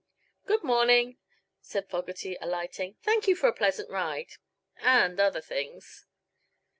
"Good morning," said Fogerty, alighting. "Thank you for a pleasant ride and other things."